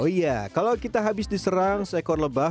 oh iya kalau kita habis diserang seekor lebah